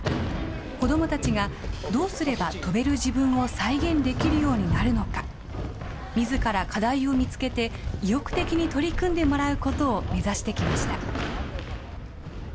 子どもたちがどうすれば跳べる自分を再現できるようになるのか、みずから課題を見つけて、意欲的に取り組んでもらうことを目指してきました。